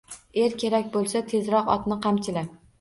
Er kerak bo'lsa, tezroq otni qamchila